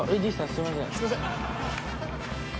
すいません。